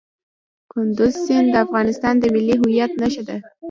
کندز سیند د افغانستان د ملي هویت نښه ده.